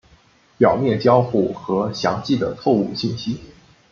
表面交互和详细的错误信息。